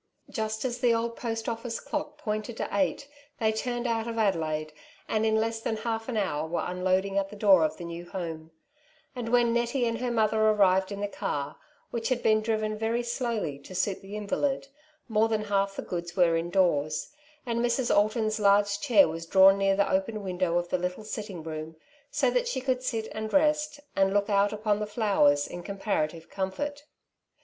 Just as the old post office clock pointed to eight, they turned out of Adelaide, and in less than half an hour were unloading at the door of the new home ; and when Nettie and her mother arrived in the car, which had been driven very slowly to suit the invalid, more than half the goods were indoors, and Mrs. Alton's large chair was drawn near the open window of the little sitting room, so that she could sit and rest, and look out. upon the flowers in comparative comfort.